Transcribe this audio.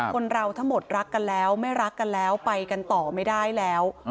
คนเราทั้งหมดรักกันแล้วไม่รักกันแล้วไปกันต่อไม่ได้แล้ว